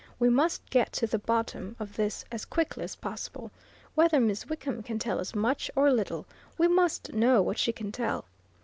"We must get to the bottom of this as quickly as possible whether Miss Wickham can tell us much or little, we must know what she can tell.